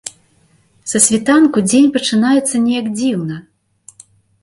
Са світанку дзень пачынаецца неяк дзіўна.